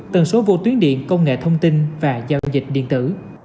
tần số vô tuyến điện công nghệ thông tin và giao dịch điện tử